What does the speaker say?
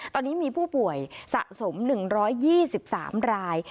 ตอนนี้มีผู้ป่วยสะสม๑๒๓ราย